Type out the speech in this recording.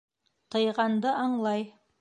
Тыйғанды аңлай.